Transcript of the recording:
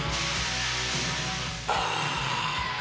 あ！